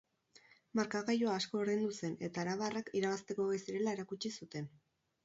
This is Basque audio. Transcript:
Markagailua asko berdindu zen eta arabarrak irabazteko gai zirela erakutsi zuten.